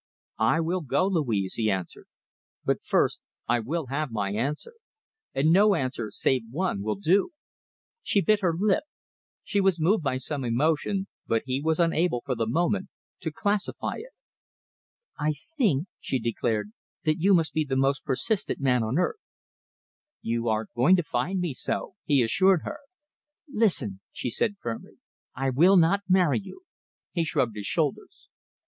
"I will go, Louise," he answered, "but first I will have my answer and no answer save one will do!" She bit her lip. She was moved by some emotion, but he was unable, for the moment, to classify it. "I think," she declared, "that you must be the most persistent man on earth." "You are going to find me so," he assured her. "Listen," she said firmly, "I will not marry you!" He shrugged his shoulders.